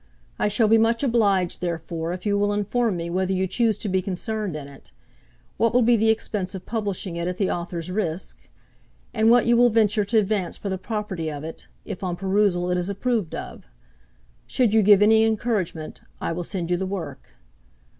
I shall be much obliged therefore if you will inform me whether you choose to be concerned in it, what will be the expense of publishing it at the author's risk, and what you will venture to advance for the property of it, if on perusal it is approved of. Should you give any encouragement, I will send you the work.